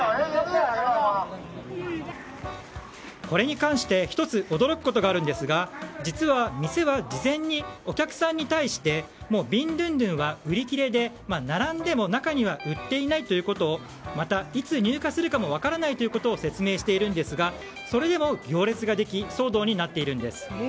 これに関して１つ、驚くことがあるんですが実は店は事前にお客さんに対してビンドゥンドゥンは売り切れで並んでも中には売っていないことまた、いつ入荷するかも分からないことを説明しているんですがそれでも行列ができ騒動になっているんです。